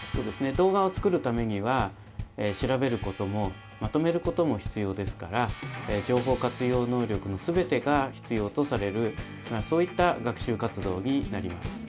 動画を作るためには調べることもまとめることも必要ですから情報活用能力の全てが必要とされるそういった学習活動になります。